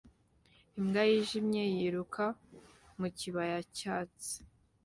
Imbwa yijimye yiruka mu kibaya cyatsi